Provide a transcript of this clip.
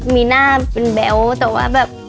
มีหน้าเป็นแบ๊วแต่ว่าแบบ